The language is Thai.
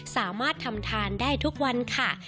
สามารถทำทานได้ทุกวันค่ะ